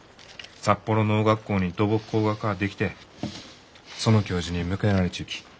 札幌農学校に土木工学科が出来てその教授に迎えられちゅうき。